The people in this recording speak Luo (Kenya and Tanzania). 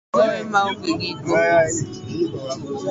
Nogoyo maong'e giko.